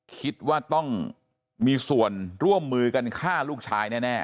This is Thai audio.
คิดว่าต้องมีส่วนร่วมมือกันฆ่าลูกชายแน่